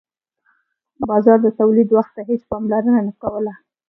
بازار د تولید وخت ته هیڅ پاملرنه نه کوله.